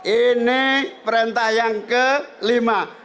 ini perintah yang kelima